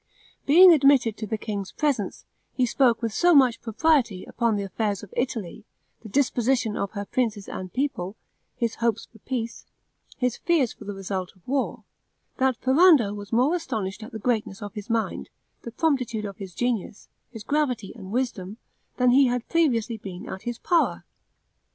Being admitted to the king's presence, he spoke with so much propriety upon the affairs of Italy, the disposition of her princes and people, his hopes from peace, his fears of the results of war, that Ferrando was more astonished at the greatness of his mind, the promptitude of his genius, his gravity and wisdom, than he had previously been at his power.